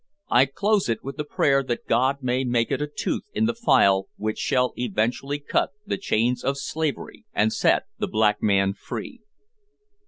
I close it with the prayer that God may make it a tooth in the file which shall eventually cut the chains of slavery, and set the black man free.